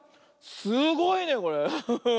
すごいねこれ。